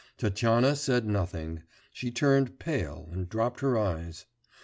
Tatyana said nothing; she turned pale and dropped her eyes.